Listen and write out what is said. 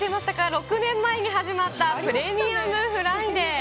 ６年前に始まったプレミアムフライデー。